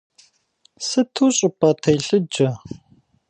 Сыту щӀыпӀэ телъыджэ!